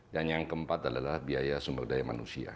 dan yang keempat adalah biaya sumber daya manusia